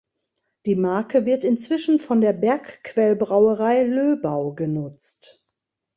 Die Marke wird inzwischen von der Bergquell-Brauerei Löbau genutzt.